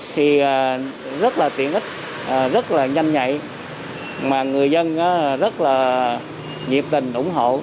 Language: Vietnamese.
thì rất là tiện ích rất là nhanh nhạy mà người dân rất là nhiệt tình ủng hộ